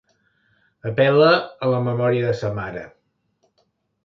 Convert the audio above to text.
Apel·la a la memòria de sa mare.